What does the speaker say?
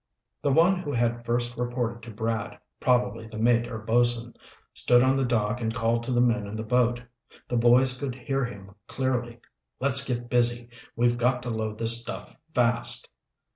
The one who had first reported to Brad, probably the mate or bosun, stood on the dock and called to the men in the boat. The boys could hear him clearly. "Let's get busy. We've got to load this stuff fast."